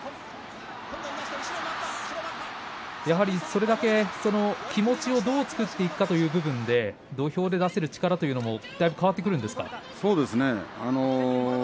それだけ気持ちを、どう作っていくかという部分で土俵で出せる力というのも変わってくるんですか。